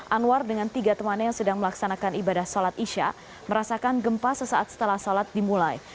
anwar dengan tiga temannya yang sedang melaksanakan ibadah sholat isya merasakan gempa sesaat setelah sholat dimulai